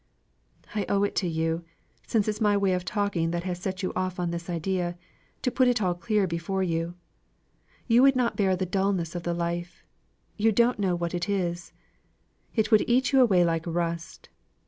I owe it to you since it's my way of talking that has set you off on this idea to put it all clear before you. You would not bear the dulness of the life; you don't know what it is; it would eat you away like rust.